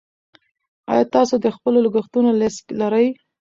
ایا تاسو د خپلو لګښتونو لیست لرئ.